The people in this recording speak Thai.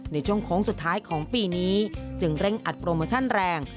ในช่วงโค้งสุดท้ายของปีนี้จึงเร่งอัดโปรโมชั่นแรง